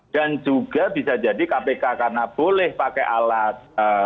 dan juga bisa jadi kpk karena boleh pakai alat